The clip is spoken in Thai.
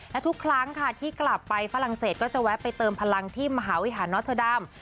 และทุกครั้งค่ะที่กลับไปฝรั่งเศสก็จะแวะไปเติมพลังที่มหาวิหารอสเทอร์ดัม